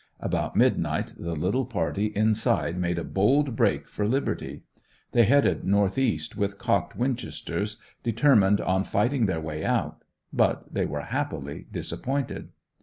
About midnight the little party inside made a bold break for liberty. They headed north east, with cocked winchesters, determined on fighting their way out. But they were happily disappointed.